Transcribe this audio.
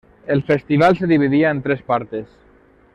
El festival se dividía en tres partes.